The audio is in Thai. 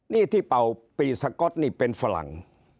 นี่ที่เป่าปีสก๊อตนี่เป็นฝรั่ง